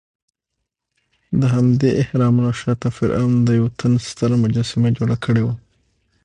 دهمدې اهرامونو شاته فرعون د یوه تن ستره مجسمه جوړه کړې وه.